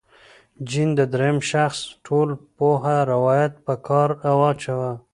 جین د درېیم شخص ټولپوه روایت په کار واچاوه.